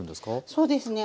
そうですね。